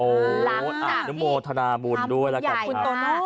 โอ้อาณมธนาบุญด้วยแล้วกับคุณโตโน่